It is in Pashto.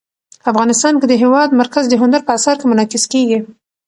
افغانستان کې د هېواد مرکز د هنر په اثار کې منعکس کېږي.